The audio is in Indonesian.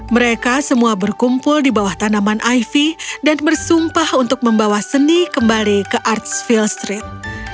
mereka semua berkumpul di bawah tanaman iv dan bersumpah untuk membawa seni kembali ke artsville street